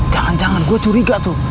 jangan jangan gue curiga tuh